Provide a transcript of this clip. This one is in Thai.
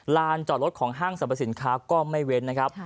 จอดรถของห้างสรรพสินค้าก็ไม่เว้นนะครับ